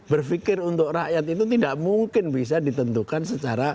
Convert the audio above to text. berpikir untuk rakyat itu tidak mungkin bisa ditentukan secara